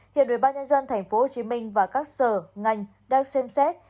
hiện đối bác nhân dân tp hcm và các sở ngành đang xem xét